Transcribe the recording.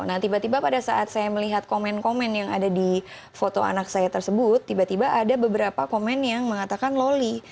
nah tiba tiba pada saat saya melihat komen komen yang ada di foto anak saya tersebut tiba tiba ada beberapa komen yang mengatakan loli